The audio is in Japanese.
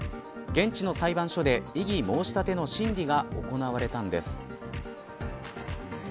現地の裁判所で異議申し立ての審理が行われたんです。